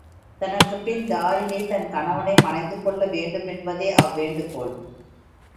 தனக்குப்பின் தாரிணி தன் கணவனை மணந்துகொள்ள வேண்டுமென்பதே அவ்வேண்டுகோள்.